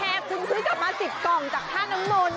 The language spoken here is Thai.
โอ้โหเอเกฟคุณคือกลับมาสิบกล่องจากท่านน้ำมนต์